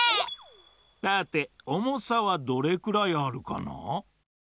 さておもさはどれくらいあるかな？